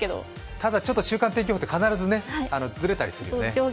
ただ、ちょっと週間天気予報って必ずズレたりするよね。